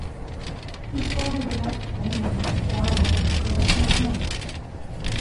He started the next game against Galway and scored two points.